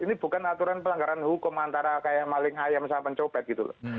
ini bukan aturan pelanggaran hukum antara kayak maling ayam sama pencopet gitu loh